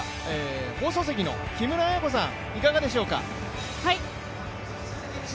放送席の木村文子さん、いかがでしょうか。